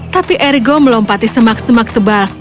tapi ergo melompati semak semak tebal